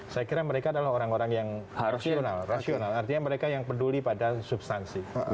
saya kira mereka adalah orang orang yang rasional artinya mereka yang peduli pada substansi